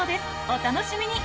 お楽しみに！